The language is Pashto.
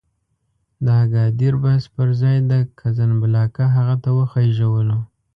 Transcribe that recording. د اګادیر بس پر ځای د کزنبلاکه هغه ته وخېژولو.